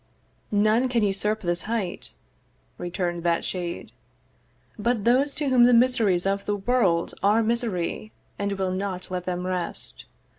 'None can usurp this height,' return'd that shade, 'But those to whom the miseries of the world 'Are misery, and will not let them rest.